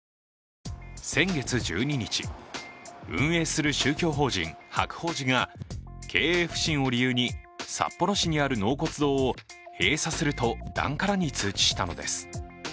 先月１２日、運営する宗教法人白鳳寺が経営不振を理由に札幌市にある納骨堂を閉鎖すると檀家らに通知したのです。